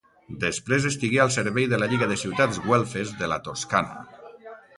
Després estigué al servei de la lliga de ciutats güelfes de la Toscana.